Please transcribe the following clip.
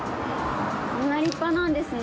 こんな立派なんですね。